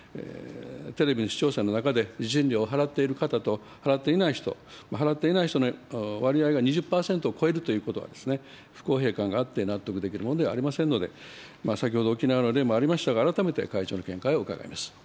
テレビの視聴者の中で、受信料を払っている方と払っていない人、払っていない人の割合が２０％を超えるということは、不公平感があって納得できるものではありませんので、先ほど沖縄の例もありましたが、改めて会長の見解を伺います。